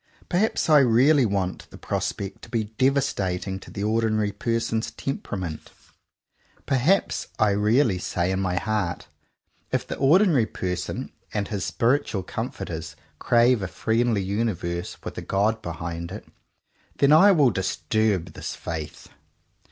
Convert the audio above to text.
Perhaps I really want the prospect to be devastating to the ordinary person's temperament. Per 93 CONFESSIONS OF TWO BROTHERS haps I really say in my heart "if the ordinary person and his spiritual comforters crave a friendly universe with a God behind it — then I will disturb this faith!"